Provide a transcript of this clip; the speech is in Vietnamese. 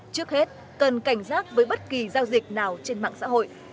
trước hết cần cảnh giác với bất kỳ giao dịch nào trên mạng xã hội